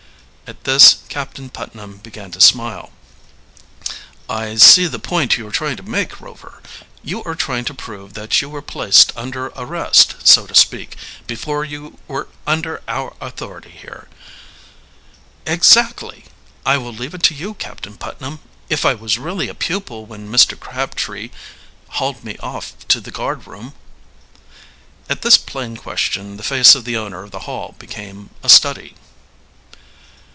At this Captain Putnam began to smile. "I see the point you are trying to make, Rover. You are trying to prove that you were placed under arrest, so to speak, before you were under our authority here." "Exactly. I will leave it to you, Captain Putnam, if I was really a pupil when Mr. Crabtree hauled me off to the guardroom." At this plain question the face of the owner of the Hall became a study.